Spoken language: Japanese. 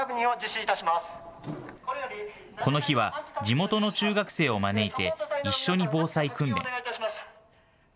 この日は地元の中学生を招いて一緒に防災訓練。